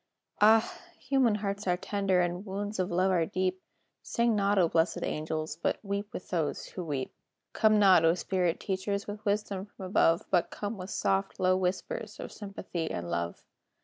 Ah! human hearts are tender, And wounds of love are deep: Sing not, O blessed angels! But "weep with those who weep." Come not, O spirit teachers! With wisdom from above, But come with soft, low whispers Of sympathy and love.